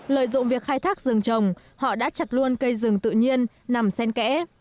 lợi dụng việc khai thác rừng trồng họ đã chặt luôn cây rừng tự nhiên nằm sen kẽ